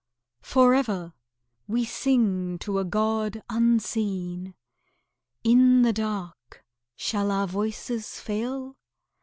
Forever we sing to a god unseen In the dark shall our voices fail?